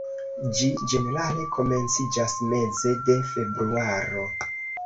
Ĝi ĝenerale komenciĝas meze de februaro.